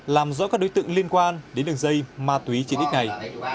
làm rõ các đối tượng liên quan đến đường dây ma túy chiến đích này